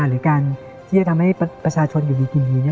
หรือการที่จะทำให้ประชาชนอยู่ดีกินดี